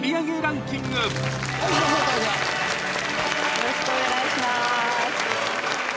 よろしくお願いします。